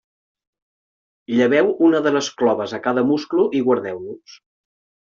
Lleveu una de les cloves a cada musclo i guardeu-los.